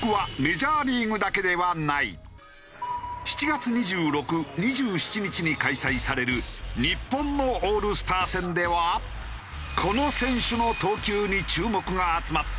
７月２６・２７日に開催される日本のオールスター戦ではこの選手の投球に注目が集まっている。